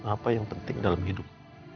apa yang penting dalam hidup